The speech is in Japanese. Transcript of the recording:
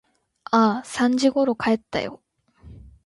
ああ、三時ころ帰ったよ。